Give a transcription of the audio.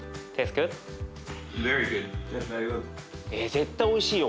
絶対おいしいよこれ。